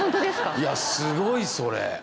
いやすごいそれ。